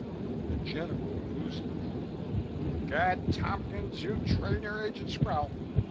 The General oozed approval. "Gad! Tompkins, you train your agents well.